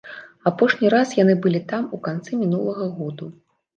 Апошні раз яны былі там у канцы мінулага году.